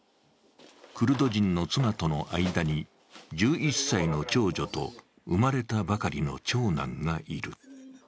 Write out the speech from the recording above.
クルド人の妻との間に１１歳の長女と生まれたばかりの長男がいる。